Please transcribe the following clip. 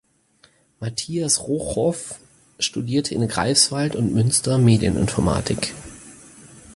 Mathias Rochow studierte in Greifswald und Münster Medieninformatik.